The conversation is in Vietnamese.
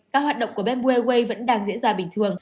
các hoạt động của bamboo airways vẫn đang diễn ra bình thường